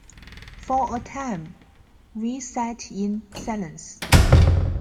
For a time, we sat in silence.